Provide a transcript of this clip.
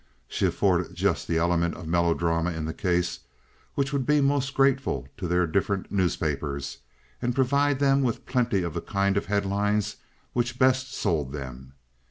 She afforded just the element of melodrama in the case which would be most grateful to their different newspapers, and provide them with plenty of the kind of headlines which best sold them.